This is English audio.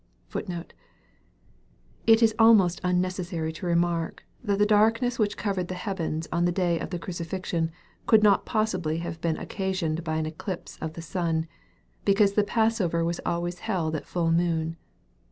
It is almost unnecessary to remark, that the darkness which covered the heaven on the day of the crucifixion, could not possibly have been occasioned by an eclipse of the sun, because the passover was always held at full moon.